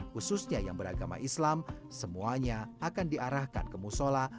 khususnya yang beragama islam semuanya akan diarahkan ke musola